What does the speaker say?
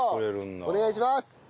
お願いします！